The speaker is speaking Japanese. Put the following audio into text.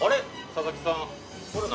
佐々木さん。